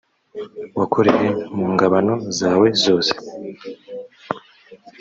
wakoreye mu ngabano zawe zose